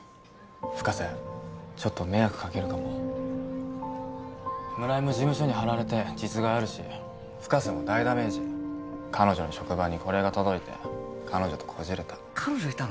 深瀬ちょっと迷惑かけるかも村井も事務所に貼られて実害あるし深瀬も大ダメージ彼女の職場にこれが届いて彼女とこじれた彼女いたの？